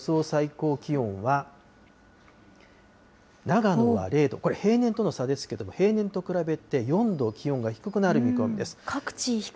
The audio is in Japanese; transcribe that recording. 最高気温は、長野は０度、これ平年との差ですけれども、平年と比べて４度気温が低くなる見込みです。